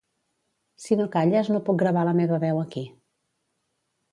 Si no calles no puc gravar la meva veu aquí.